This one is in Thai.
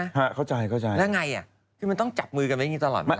ค่ะเข้าใจแล้วไงคือมันต้องจับมือกันไว้อย่างนี้ตลอดเมื่อไหร่